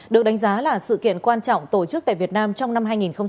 được đánh giá là sự kiện quan trọng tổ chức tại việt nam trong năm hai nghìn một mươi chín